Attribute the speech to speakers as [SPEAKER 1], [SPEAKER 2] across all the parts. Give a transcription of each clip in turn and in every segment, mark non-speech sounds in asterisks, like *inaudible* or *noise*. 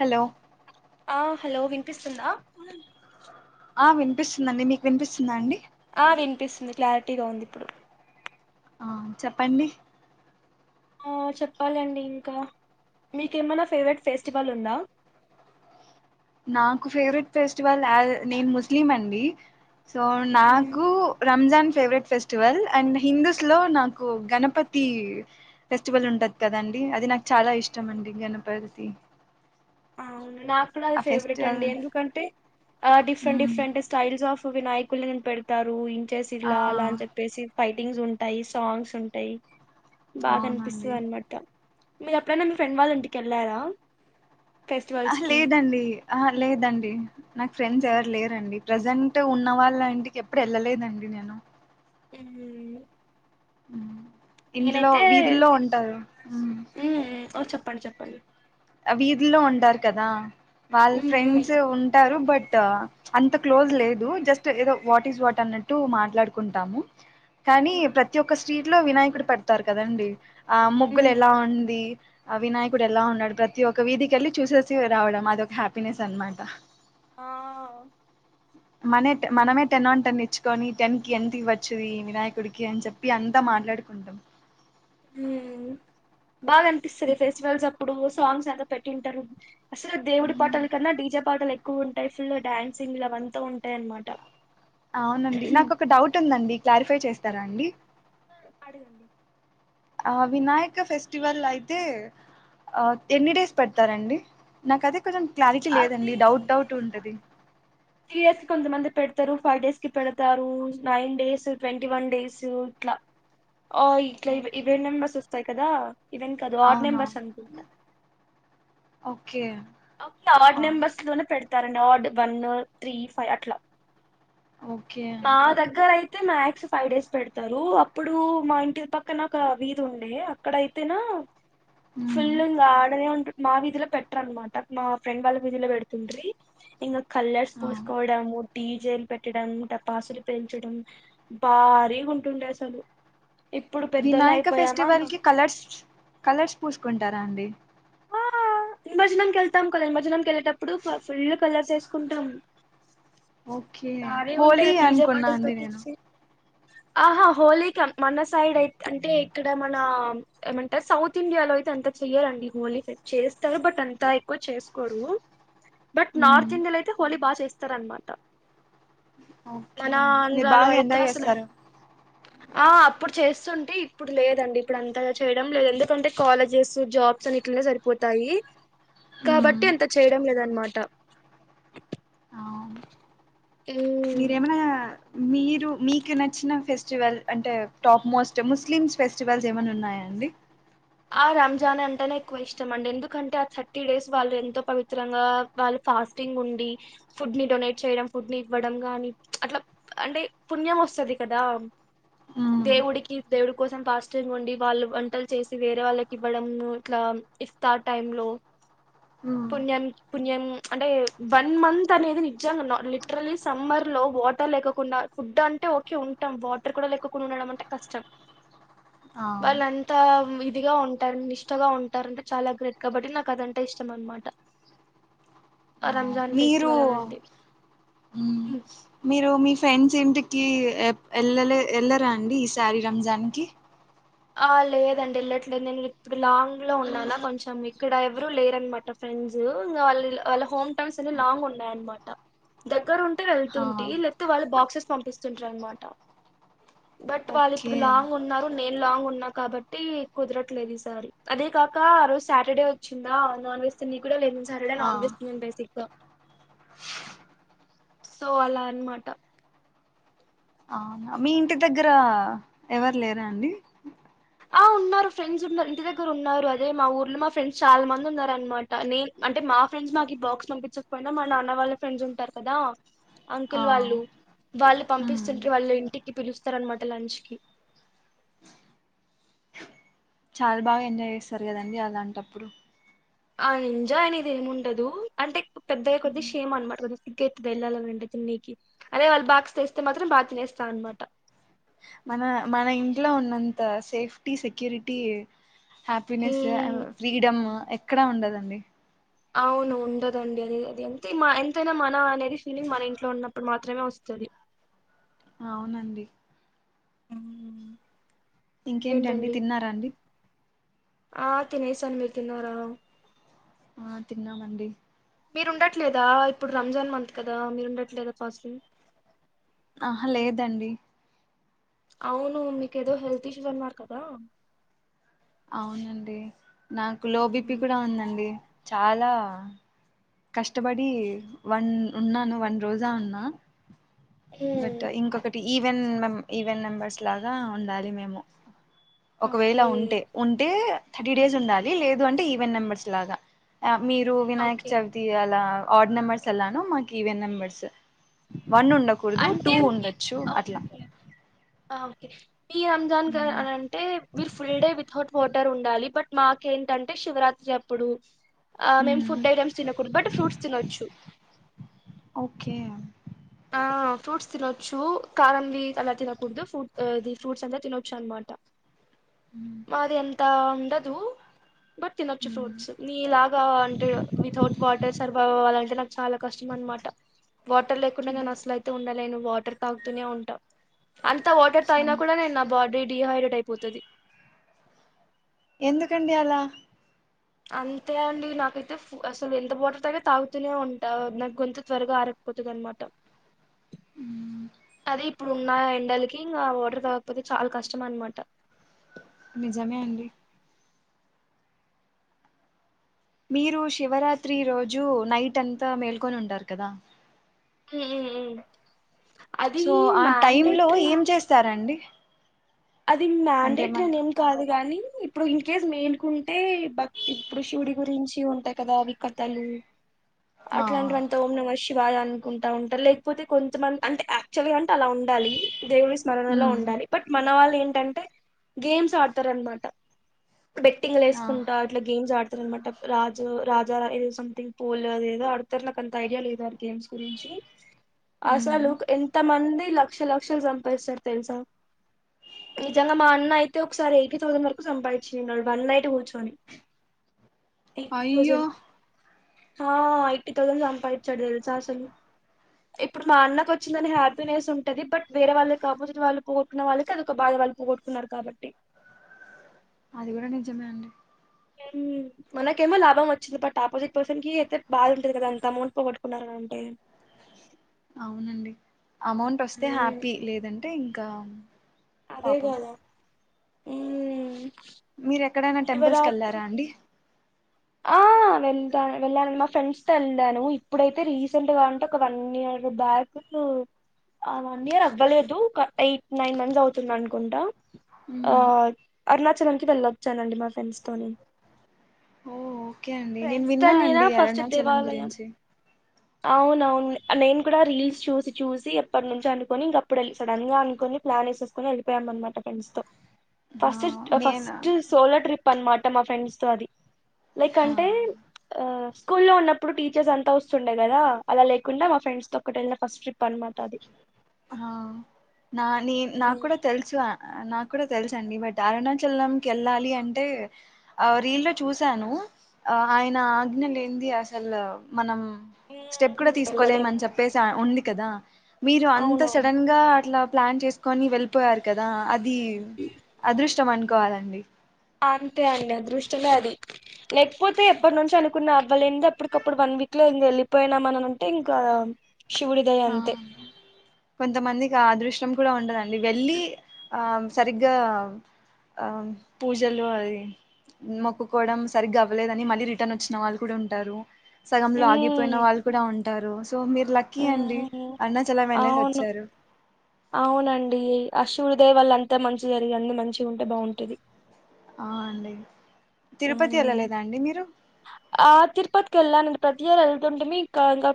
[SPEAKER 1] Hello
[SPEAKER 2] ఆ hello వినిపిస్తుందా
[SPEAKER 1] ఆ వినిపిస్తుందిండి మీకు వినిపిస్తుంద అండి
[SPEAKER 2] ఆ వినిపిస్తుంది క్లారిటీగా ఉంది ఇప్పుడు
[SPEAKER 1] ఆ చెప్పండి
[SPEAKER 2] చెప్పాలండి ఇంకా మీకేమైనా ఫేవరెట్ ఫెస్టివల్ ఉందా
[SPEAKER 1] నాకు ఫేవరెట్ ఫెస్టివల్ నేను ముస్లిం అండి సో
[SPEAKER 2] మ్మ్
[SPEAKER 1] నాకు Ramzan favourite festival and Hindus లో నాకు గణపతి ఫెస్టివల్ ఉంటుంది కదండి అది నాకు చాలా ఇష్టం అండి గణపగతి
[SPEAKER 2] అ నాకు కూడా అది ఫేవరెట్
[SPEAKER 1] ఫెస్టివల్
[SPEAKER 2] అండి ఎందుకంటే different
[SPEAKER 1] hmm
[SPEAKER 2] different styles of Vinayak ల్ పెడతారు ఇం చేసి
[SPEAKER 1] ఆ
[SPEAKER 2] ఇలా అలా అని చెప్పేసి ఫైటింగ్స్ ఉంటాయి సాంగ్స్ ఉంటాయి
[SPEAKER 1] అవునండి
[SPEAKER 2] బాగానిపిస్తుంది అనమాట మీరు ఎప్పుడైనా మీ ఫ్రెండ్ వాళ్ళు ఇంటిక వెళ్ళారా
[SPEAKER 1] ఆ
[SPEAKER 2] ఫెస్టివల్స్ కి
[SPEAKER 1] లేదండి ఆ లేదండి నాకు ఫ్రెండ్స్ ఎవరు లేరండి ప్రజెంట్ ఉన్న వాళ్ళ ఇంటికి ఎప్పుడు వెళ్ళలేదండి నేను
[SPEAKER 2] అ
[SPEAKER 1] ఇంట్లో వీధిల్లో ఉంటారు
[SPEAKER 2] చెప్ప చెప్పండిి
[SPEAKER 1] వీధిలో ఉంటారు కదా వాళ్ళ
[SPEAKER 2] మ్మ్, మ్మ్.
[SPEAKER 1] ఫ్రెండ్స్ ఉంటారు బట్ బట్ అంత క్లోజ్ లేదు జస్ట్ ఏదో వాట్ ఇజ్ వాట్ అన్నట్టు మాట్లాడుకుంటాము కానీ
[SPEAKER 2] మ్మ్,
[SPEAKER 1] ప్రతి ఒక్క స్ట్రీట్ ఇట్లో వినాయకుడు పెడతారు కదండి ఆ ముగ్గులు
[SPEAKER 2] మ్మ్.
[SPEAKER 1] ఎలా ఉంది ఆ వినాయకుడు ఎలా ఉన్నాడు ప్రతి ఒక వీధికి వెళ్ళి చూసేసి రావడం అదిొక హ్యాపీనెస్ అనమాట
[SPEAKER 2] ఆ
[SPEAKER 1] మన మనమే టెన్ ఆన్ టెన్ ఇచ్చుకొని టెన్ కి ఎంత ఇవ్వచ్చిది వినాయకుడికి అని చెప్పి అంత మ మాట్లాడుకుంట
[SPEAKER 2] బాగా అనిపిస్తుంది ఫెస్టివల్స్ అప్పుడు సాంగ్స్ ఎంత పెట్టింటారు అసలు దేవుడి పాటల కన్నా డీజా పాటలు ఎక్కువ ఉంటాయి ఫుల్ డడాన్సింగ్ లావంతా ఉంటాయ అనమాట
[SPEAKER 1] అవునండి నాకు ఒక డౌట్ ఉందండి క్లారిఫై చేస్తారా అండి
[SPEAKER 2] అడగండి
[SPEAKER 1] ఆ వినాయక ఫెస్టివల్ అయితే ఆ ఎన్ని డేస్ పెడతారండి నాక అది కొంచం క్లారిటీ
[SPEAKER 2] అది
[SPEAKER 1] లేదండి డౌట్ డౌట్ ఉంటది
[SPEAKER 2] తారు ఫైవ్ డేస్ కి పెడతారు nine days twenty one days ఇట్లా ఆ ఇట్లా
[SPEAKER 1] ఓకే
[SPEAKER 2] ఈవెంట్ మెంబర్స్ వస్తాయి కదా ఇవెన్ కదు వార్డ్
[SPEAKER 1] అవునా
[SPEAKER 2] నెంబర్స్ అంకుంట
[SPEAKER 1] ఓకే
[SPEAKER 2] ఓకే వార్డ్
[SPEAKER 1] ఆ,
[SPEAKER 2] నెంబర్స్ లోనే పెడతారండి ఆార్డు వన్ త్రీ ఫైవ్ అట్లా
[SPEAKER 1] ఓకే
[SPEAKER 2] ఆ దగ్గరయి అయితే మ్యాక్స్ ఫైవ్ డేస్ పెడతారు అప్పుడు మా ఇంటి పక్కన ఒక వీధ ఉండే అక్కడ అయితేనా ఫుల్
[SPEAKER 1] మ్మ్.
[SPEAKER 2] ఆడనే ఉ మావిీధల పెట్ట్రమాట మా ఫ్రెండ్ వాళ్ళ మీధలో పెడుతుండీ ఇంకా కలర్స్
[SPEAKER 1] ఆ.
[SPEAKER 2] పూసుకోవడము డీజేలు పెట్టడం టపాసులు పెంచడం భారీ ఉంటుండే అసలు ఇప్పుడు పెద్దలు
[SPEAKER 1] వినాయక
[SPEAKER 2] అయిపోయామా
[SPEAKER 1] ఫెస్టివల్ కి కలర్స్ కలర్స్ పూసుకుంటారా అండి
[SPEAKER 2] నిమజనంక వెళ్తాం కదా నిమజనంక వెళ్ళేటప్పుడు ఫుల్ కలర్స్ వేసుకుంటాం
[SPEAKER 1] ఓకే
[SPEAKER 2] భారీ ఉంటే
[SPEAKER 1] హోలీ
[SPEAKER 2] డీజే
[SPEAKER 1] అనుకున్నా
[SPEAKER 2] పాటల
[SPEAKER 1] అండి నేను
[SPEAKER 2] పెట్టించి ఆహా హోలీక మన సైడ్ అయి అంటే ఇక్కడ మన ఏమంటే సౌత్ ఇండియాలో అయితే అంత చెయాలండి హోలీ చేస్తారు బట్ అంతా ఎక్కువ చేసుకోడు బట్
[SPEAKER 1] మ్మ్.
[SPEAKER 2] నార్త్ ఇండియాలో అయితే హోలీ బాగా చేస్తారనమాట
[SPEAKER 1] ఓకే
[SPEAKER 2] మన
[SPEAKER 1] మీరు
[SPEAKER 2] అంద్రాలు
[SPEAKER 1] బాగా ఎంజాయ్
[SPEAKER 2] యితేహసన్నా
[SPEAKER 1] చేస్తారు
[SPEAKER 2] ఆ అప్పుడు చేస్తుంటే ఇప్పుడు లేదండి ఇప్పుడు అంతగా చేయడం లేదు ఎందుకంటే కాలేజెస్ జాబ్ ని ఇట్లనే సరిపోతాయి
[SPEAKER 1] మ్మ్.
[SPEAKER 2] కాబట్టి
[SPEAKER 1] అవును
[SPEAKER 2] మ్మ్
[SPEAKER 1] మీరు మీకు నచ్చిన ఫెస్టివల్ అంటే టాప్ మోస్ట్ ముస్లిమ్స్ ఫెస్టివల్స్ ఏమైన్నా ఉన్నాయా అండి
[SPEAKER 2] ఆ రంజాన్ అంటేనే ఎక్కువ ఇష్టం అండి ఎందుకంటే ఆ థర్టీ డేస్ వాళ్ళు ఎంతో పవిత్రంగా వాళ్ళు ఫాస్టింగ్ ఉండి ఫుడ్ ని డొనేట్ చేయడం ఫుడ్ ని ఇవ్వడం నీ అట్లా అంటే పుణ్యం వ వంది కదా దేవుడికి దేవుడి కోసం పాస్టివ్ ఉండి వాళ్ళు వంటలు చే వేరే వాళ్ళకి ఇవ్వడం ఇట్లా ఇఫ్తార్ టైమ్ లో
[SPEAKER 1] ఉమ్
[SPEAKER 2] పుణ్యం పుణ్యం అంటే వన్ మంత్ అనేది నిజంగా లిటరలీ సమ్మర్ లో వాటర్ లేకుండా ఫుడ్ అంటే ఓకే ఉంటాం వాటర్ కూడా లక్కకుండా ఉండడం అంటే కష్టం
[SPEAKER 1] ఆ
[SPEAKER 2] వాల్ అంతా ఇదిగా ఉంటారు నిష్టగా ఉంటారంట
[SPEAKER 1] ఆ
[SPEAKER 2] రంజాన్
[SPEAKER 1] మీరు
[SPEAKER 2] ఫెస్టివల్ అలాంటే
[SPEAKER 1] ఉమ్ మీరు మీ ఫ్రెండ్స్ ఇంటికి వెళ్ళ వెళ్లరా అండి ఈ శారీ రంజాన్ కి
[SPEAKER 2] ఆ లేదండి వెళ్ళట్లేదు నేను ఇప్పుడు లాంగ్ లో ఉన్నానా కొంచెం ఇక్కడ ఎవరూ లేరనమాట ఫ్రెం వాళ్ళు హోమ్ టౌన్స్ అన్నీ లాంగ్ ఉన్నాయానమాట దగ్గర
[SPEAKER 1] హా
[SPEAKER 2] వెళ్తుంట లేకపోతే వాళ్ళు బాక్సెస్ పంపిస్తుంటారు అనమాట బట్ వాళ్ళు ఇప్పుడు
[SPEAKER 1] ఓకే
[SPEAKER 2] లాంగ్ ఉన్నారు నేను లాంగ్ ఉన్నా కాబట్టి కుదరట్లేదు ఈ సారి అదే కాక ఆ రోజు సాటర్డే వచ్చిందా నాన్ వెజ్ న కూడా లేదు సరే
[SPEAKER 1] హా
[SPEAKER 2] నాన్ తిన్నాము బేసిక్ గా సో అలా అనమాట
[SPEAKER 1] వు మీ ఇంటి దగ్గర ఎవరు లేరా అండి
[SPEAKER 2] హ ఉన్నారు ఫ్రెండ్స్ ఉన్నారు ఇంటి దగ్గర ఉన్నారు అదే మా ఊర్లో మా ఫ్రెండ్స్ చాలా మంది ఉన్నారు అనమాటే అంటే మా ఫ్రెండ్స్ మాకు బాక్స్ పంపించకపోయిం మా నాన్న వాళ్ళ ఫ్రెండ్స్ ఉంటారు కదా
[SPEAKER 1] ఆ
[SPEAKER 2] అంకుల్ వాళ్ళు వాళ్ళు
[SPEAKER 1] ఉమ్
[SPEAKER 2] పంపిస్తుంటే వాళ్ళు ఇంటికి పిలుస్తారనమాట లంచ్కి
[SPEAKER 1] చాలా బాగా ఎంజాయ్ చేస్తారు కదండి అలాంటప్పుడు
[SPEAKER 2] ఆ ఎంజోయ్ అనేది ఏమి ఉండదు అంటే పెద్దగా కొద్ది షమ అనమాట కొద్ది సిగ్గ అవుతుంది వెళ్ళాలి అండి బ తినికి అదే వాళ్ళు బాక్స్ తెస్తే మాత్రం బాగా తినేస్తా అనమాట
[SPEAKER 1] మన మన ఇంట్లో ఉన్నంత safety security happiness
[SPEAKER 2] hmm
[SPEAKER 1] freedom ఎక్కడ ఉండదండి
[SPEAKER 2] అవును ఉండదండి అది అది అంతే ఎంతైనా మన అనేది ఫీలింగ్ మన ఇంట్లో ఉన్నప్పుడు మా తర్మే వస్తది
[SPEAKER 1] అవునండి
[SPEAKER 2] ఉహు
[SPEAKER 1] ఇంకేంటండి తిన్నారాండి
[SPEAKER 2] ఆ తినేస మీరు తిన్నారాను
[SPEAKER 1] ఆ తిన్నామండి
[SPEAKER 2] మీరు ఉండట్లేదా ఇప్పుడు రంజాన్ మంత్ కదా మీరు ఉండట్లేదా ఫస్టింగ్
[SPEAKER 1] ఆ హ లేదండి
[SPEAKER 2] అవును మీకు ఏదో హెల్త్ ఇష్యూ అన్నారు కదా
[SPEAKER 1] అవునండి నాకు లోబిపీ కూడా ఉందండి చాలా కష్టపడి వన్ ఉన్నాను వన్ రోజా ఉన్నా బట్ ఇంకొకటి ఈవెంట్ ఈవెంట్ మెంబర్స్ లాగా ఉండాలి మేము ఒకవేళ
[SPEAKER 2] ఓకే
[SPEAKER 1] ఉంటే ఉంటే థర్టీ డేస్ ఉండాలి లేదు అంటే ఈవెన్ నెంబర్స్ లాగా ఆ మీరు వినాయక్
[SPEAKER 2] ఓకే
[SPEAKER 1] అలా ఆర్డ్ నెంబర్స్ ఎలానో మాకు ఈవెన్ నెంబర్స్ వన్ ఉండకూడదు టూ
[SPEAKER 2] అంటే మీ
[SPEAKER 1] ఉండొచ్చు అట్లా
[SPEAKER 2] ఓకే ఓకే మీ రంజాన్ గ అన్ అంటే will Friday without water ఉండాలి బట్ మాకేంటంటే శివరాత్రి అప్పుడు ఆ మేము ఫుడ్
[SPEAKER 1] మ్మ్.
[SPEAKER 2] ఐటెమ్స్ తినకూడదు బట్ ఫ్రూట్స్ తినొచ్చు
[SPEAKER 1] ఓకే
[SPEAKER 2] ఆ ఫ్రూట్స్ తినొచ్చు కారంవి అలా తినకూడదు ఫ్రూ ఫ్రూట్స్ అంతా తినొచ్చు అనమాట మాది అంత ఉండదు బట్ తినొచ్చు
[SPEAKER 1] మ్మ్.
[SPEAKER 2] ఫ్రూట్స్ నీ ఇలాగా అంటే వితౌట్ వాటర్ సర్వైవ్ అవ్వాలంటే నాక్ చాలా కష్టం అనమాట వాటర్ లేకుండా నేను అసలుయితే ఉండలేను వాటర్ తాగుతూనే ఉంటా అంత వాటర్ తగిన
[SPEAKER 1] సమ్
[SPEAKER 2] కూడా నేను నా బాడీ డిహైడ్రేట్ అయిపోతది
[SPEAKER 1] ఎందుకండి అలా
[SPEAKER 2] అంతే అండి నాకైతే అసలు ఎంత వాటర్ తగిన తాగుతూనే ఉంటా నాకు గొంత త్వరగా ఆర పోతదన్నమాట
[SPEAKER 1] మ్మ్.
[SPEAKER 2] ది ఇప్పుడు ఉన్న ఎండలకి ఇంకా వాటర్ కాకపోతే చాలా కష్టం అనమాట
[SPEAKER 1] నిజమే అండి మీరు శివరాత్రి రోజు నైట్ అంతా మేల్కొని ఉంటారు కదా
[SPEAKER 2] ఉమ్ ఉమ్ ఉమ్ అది
[SPEAKER 1] సో ఆ
[SPEAKER 2] మ్యాన్
[SPEAKER 1] టైమ్ లో
[SPEAKER 2] డ్యాటరీ
[SPEAKER 1] ఏం చేస్తారండి
[SPEAKER 2] అది
[SPEAKER 1] అంటే
[SPEAKER 2] మ్యాండేటరీ
[SPEAKER 1] మన
[SPEAKER 2] అని ఏం కాదు గాని ఇప్పుడు ఇన్కేస్ మేల్కుంటేక్ ఇప్పుడు శివుడి గురించి ఉంటాయి కదా అవి కథలు
[SPEAKER 1] ఆ.
[SPEAKER 2] అట్లాంటివంత ఓం నమః శివాయ అనుకుంటా ఉంటారు లేకపోతే కొంతమంది అంటే యాక్చువల్గా అలా ఉండాలి దేవుడి స్మరణలో
[SPEAKER 1] మ్మ్.
[SPEAKER 2] ఉండాలి బట్ మన వాళ్ళ ఏంటంటే గేమ్స్ ఆడతారునమాట బెట్టింగ్లు
[SPEAKER 1] ఆ.
[SPEAKER 2] ఎసుకుంటా అట్లా గేమ్స్ ఆడ అనమాట రాజు రాజా ఏదో సంథింగ్ పోల్ అదేదో ఆడతారు నాకు అంత ఐడియా లేదు ఆ గేమ్స్ గురించి అ అసలు
[SPEAKER 1] మ్మ్
[SPEAKER 2] ఎంత మంది లక్షలక్షలు సంపాదిస్తారు తెలుసా నిజంగా మా అన్న అయితే ఒకసారి ఎయిటీ థౌసండ్ వరకు సంపాదించింది వన్ నైట్ కూర్చొని ఎయిటీ
[SPEAKER 1] అయ్యో
[SPEAKER 2] థౌజండ్ హ ఎయిటీ థౌజండ్ సంపండించాడు తెలుసా అసలు ఇప్పుడు మా అన్నకు వచ్చిందని హ్యాపీనెస్ ఉంటది బట్ వేరే వాళ్ళకి ఆపోజిట్ వాళ్ళ పోగొట్టుకున్న వాళ్ళకి అది ఒక బాధ వాలు పోగొట్టుకున్నారు కాబట్టి
[SPEAKER 1] అది కూడా నిజమే అండి
[SPEAKER 2] ఉమ్ మనకేమో లాభం వచ్చింది బట్ ఆపోజిట్ పర్సన్ కి అయితే బాధ ఉంటది కదా అంత అమౌంట్ పోగొటుకున్నార డైమ్
[SPEAKER 1] అవునండి అమౌంట్ వస్తే
[SPEAKER 2] ఉమ్,
[SPEAKER 1] హ్యాపీ లేదంటే ఇంకా
[SPEAKER 2] అదే
[SPEAKER 1] పాపం
[SPEAKER 2] కాదా ఉమ్మ్
[SPEAKER 1] మీరు ఎక్కడైనా టెంపుల్స్ కెళ్ళారా అండి
[SPEAKER 2] ఆ వెళ్తాను వెళ్ళానండి మా ఫ్రెండ్స్ త వెళ్దాను ఇప్పుడైతే రీసెంట్ గా అంటే ఒక వన్ ఇయర్ బ్యాక్ ఆ వన్ ఇయర్ అవ్వలేదు ఒక ఎయిట్ నైన్ మంత్స్ అవుతుంది అనుకుంటా ఆ
[SPEAKER 1] మ్మ్
[SPEAKER 2] అరుణాచలనికి వెళ్ళచ్చానండి మా ఫ్రెండ్స్ తో నేను
[SPEAKER 1] ఓ ఓకే అండి నేను
[SPEAKER 2] ఫ్రెండ్సతో
[SPEAKER 1] విన్నా
[SPEAKER 2] నేనా
[SPEAKER 1] అండి
[SPEAKER 2] ఫస్ట్
[SPEAKER 1] అరుణాచలం
[SPEAKER 2] దేవాలయం
[SPEAKER 1] గురించి
[SPEAKER 2] అవున అవును నేను కూడా రీల్స్ చూసి చూసి ఎప్పటి నుంచి అనుకొని ఇంకప్పుడు వెళ్ళి సడన్ గా అనుకని ప్లా నేేసుకుని వెళ్ళిపోయామనమాట ఫ్రెండ్స్తో
[SPEAKER 1] ఆ
[SPEAKER 2] ఫస్ట్
[SPEAKER 1] నేను
[SPEAKER 2] ఫస్ట్ సోలో ట్రిప్ అనమాట మా ఫ్రెండ్స్తో అది లైక్ అంటే
[SPEAKER 1] హా
[SPEAKER 2] ఆ స్కూల్లో ఉన్నప్పుడు టీచర్స్ అంతా వస్తుండే కదా అలా లేకుండా మా ఫ్రెండ్స్ తో ఒకటి వెళ్ళిన ఫస్ట్ ట్రిప్ అనమాట అది
[SPEAKER 1] ఆ నా నీ
[SPEAKER 2] ఉ
[SPEAKER 1] నాకు కూడా తెలుసు నాకు కూడా తెలుస అండి బట్ అరుణాచలం క వెళ్ళాలి అంటే ఆ రీల్ లో చూసాను ఆ ఆయన ఆజ్ఞ లే ఏంది అసలు మనం స్టెప్ కూడా
[SPEAKER 2] వెళ్ళలేం
[SPEAKER 1] తీసుకోలేమని చెప్పేసి ఉంది కదా మీరు అంత
[SPEAKER 2] అవునవును
[SPEAKER 1] సడన్ గా అట్లా ప్లాన్ చేసుకొని వెళ్ళిపోయారు కదా అది ఇది అదృష్టం అనుకోవాలండి
[SPEAKER 2] అంతే అండి అదృష్టమే అది లేకపోతే ఎప్పటి నుంచి అనుకున్నా అవ్వలేని అప్పటికప్పుడు వన్ వీక్ లో ఇ వెళ్ళిపోయినామని అ అంటే ఇంకా శివుడి దయ
[SPEAKER 1] ఆ
[SPEAKER 2] అంతే
[SPEAKER 1] కొంతమందికి అదృష్టం కూడా ఉండదండి వెల్లి ఆ సరిగ్గా ఆ పూజలు అది మొక్కుకోవడం సరిగ్గావలేదని మళ్ళీ రిటర్న్ వచ్చిన వాళ్ళు కూడా ఉంటారు సగంలో ఆగిపోయిన వాళ్ళు కూడా ఉంటారు సో మీరు లక్కీ అండి
[SPEAKER 2] హ్మ్మ్
[SPEAKER 1] అరుణాచలం వెళ్ళేసి
[SPEAKER 2] అవును
[SPEAKER 1] వచ్చారు
[SPEAKER 2] అవునండి ఆశివుడి దే వళ్ళ అంతా మంచిగా జరిగి అంత మంచిగా ఉంటే బాగుంటుది
[SPEAKER 1] ఆ అండి తిరుపతి
[SPEAKER 2] ఉమ్
[SPEAKER 1] వెళ్లాలేదా అండి మీరు
[SPEAKER 2] ఆ తిరుపతికి వెళ్ళానండి ప్రతి ఇయర్ వెళ్తుంటేమి ఇంక ఇంకా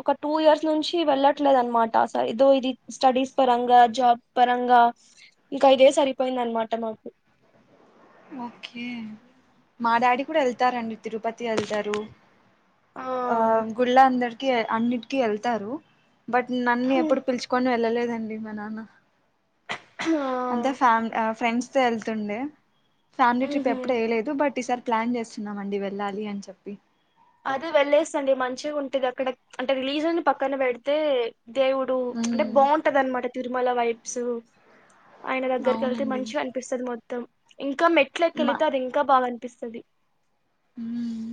[SPEAKER 2] ఒక టూ ఇయర్స్ నుంచి వెళ్ళట్లేదు అనమాట సార్ ఏదో ఇది స్టడీస్ పరంగా జాబ్ పరంగా ఇంకా ఇదే సరిపోయింది అనమాట కమాకు *unintelligible*
[SPEAKER 1] ఓకే మా డాడీ కూడా వెళ్తారంండి తిరుపతి వెళ్తారు ఆ గుళ్ళ అందరికి అన్నిటికిీ వెళ్తారు బట్ నన్ను
[SPEAKER 2] ఉమ్.
[SPEAKER 1] ఎప్పుడు పిలుచుకొని వెళ్ళలేదండి మా నాన్న
[SPEAKER 2] ఆ
[SPEAKER 1] అంతే ఫ్యామి ఫ్రెండ్స్ తో వెళ్తుండే ఫ్యామిలీ ట్రిప్
[SPEAKER 2] ఉహు
[SPEAKER 1] ఎప్పుడు వేయలేదు బట్ ఈసారి ప్లాన్ చేస్తున్నామ అండి వెళ్ళాలి అని చెప్పి
[SPEAKER 2] అద వెళ్లేస్తుండి మంచిగా ఉంటది అక్కడ అంటే రిలీజన్ పక్కన పెడితే దేవుడు అంటే
[SPEAKER 1] ఉమ్
[SPEAKER 2] బాగుంటది అనమాట తిరుమల వైబ్స్ ఆయన దగ్గరకి వెళ్తే
[SPEAKER 1] అవునండి
[SPEAKER 2] మంచిగా అనిపిస్తుంది మొత్తం ఇంకా మెట్లకిెళితే అది ఇంకా బాగా అనిపింది తప్పిస్తంది
[SPEAKER 1] హ్మ్మ్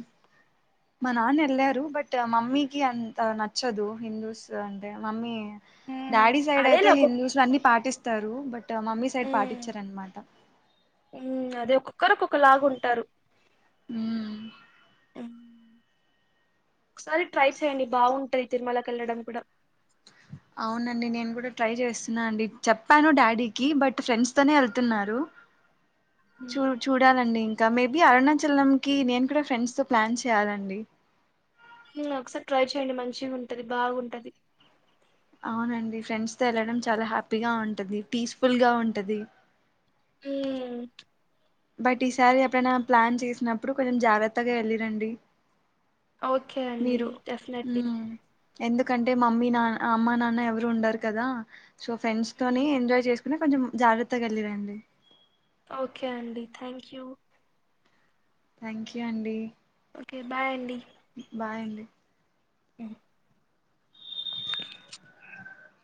[SPEAKER 1] మా నాన్న వెళ్ళారు బట్ మమ్మీకి అంత నచ్చదు హిందూస్ అంటే మమ్మీ
[SPEAKER 2] ఆ
[SPEAKER 1] డాడీ సైడ్ అయితే హిందూస్ లో అన్ని పాటిస్తారు బట్ మమ్మీ సైడ్ పాటించార అనమాట
[SPEAKER 2] ఉ అదే ఒక్కొక్కరుకొక్క లాగా ఉంటారు
[SPEAKER 1] హ
[SPEAKER 2] ఉమ్, ఒకసారి ట్రై చే్యడి బాగుంటాయి తిరుమలకి వెళ్ళడం కూడా
[SPEAKER 1] అవునండి నేను కూడా ట్రై చేస్తున్నా అండి చెప్పాను డాడీకి బట్ ఫ్రెండ్స్ తోనే వెళ్తున్నారు
[SPEAKER 2] ఉమ్
[SPEAKER 1] చూ చూడాలండి ఇంకా ఇంకా మేబీ అరుణాచలం కి నేను కూడా ఫ్రెండ్స్ తో ప్లాన్ చేయాలండి
[SPEAKER 2] ఒకసారి ట్రై చె్యడి మంచిగా ఉంటది బాగుంటది
[SPEAKER 1] అవునండి ఫ్రెండ్స్ తో వెళ్ళడం చాలా హ్యాపీగా ఉంటుంది పీస్ఫుల్ గా ఉంటది
[SPEAKER 2] ఉమ్
[SPEAKER 1] బట్ ఈసారి ఎప్పుడైనా ప్లాన్ చేసినప్పుడు కొంచెం జాగ్రత్తగా వెళ్ళిరండి
[SPEAKER 2] ఓకే అండి
[SPEAKER 1] మీరు
[SPEAKER 2] డెఫినెట్లీ
[SPEAKER 1] ఉమ్ ఎందుకంటే మమ్మీ నాన్న అమ్మా నాన్న ఎవరు ఉండారు కదా సో ఫ్రెండ్స్ తోనే ఎంజాయ్ చేసుకు కొంచెం జాగ్రత్తగాలిరండి
[SPEAKER 2] ఓకే అండి థ్యాంక్ యూ
[SPEAKER 1] థ్యాంక్ యూ అండి
[SPEAKER 2] ఓకే బాయ్ అండి
[SPEAKER 1] బాయండి
[SPEAKER 2] అ